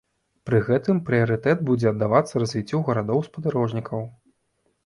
Пры гэтым прыярытэт будзе аддавацца развіццю гарадоў-спадарожнікаў.